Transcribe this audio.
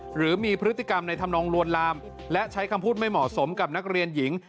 หรือมีพฤติกรรมในธรรมนองลวนลามและใช้คำพูดไม่เหมาะสมกับนักเรียนหญิง